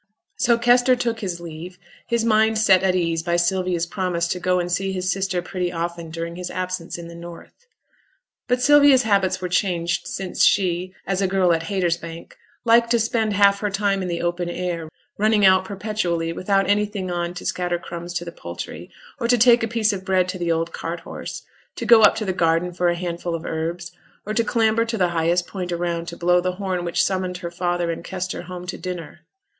So Kester took his leave, his mind set at ease by Sylvia's promise to go and see his sister pretty often during his absence in the North. But Sylvia's habits were changed since she, as a girl at Haytersbank, liked to spend half her time in the open air, running out perpetually without anything on to scatter crumbs to the poultry, or to take a piece of bread to the old cart horse, to go up to the garden for a handful of herbs, or to clamber to the highest point around to blow the horn which summoned her father and Kester home to dinner.